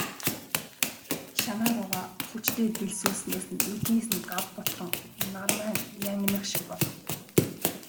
Шанаа руугаа хүчтэй дэлсүүлснээс нүднээс нь гал бутран, нармай нь янгинах шиг болно.